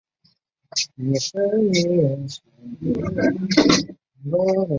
而此刻天水围站公共运输交汇处仍处于原封不动的荒废状态。